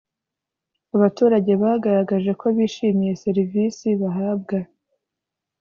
abaturage bagaragaje ko bishimiye serivisi bahabwa